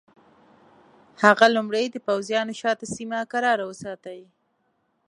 هغه لومړی د پوځیانو شاته سیمه کراره وساتي.